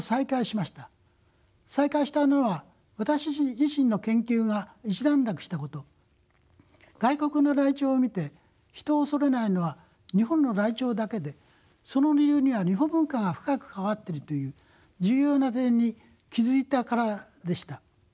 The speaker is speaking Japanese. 再開したのは私自身の研究が一段落したこと外国のライチョウを見て人を恐れないのは日本のライチョウだけでその理由には日本文化が深く関わっているという重要な点に気付いたからでした。